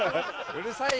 うるさく。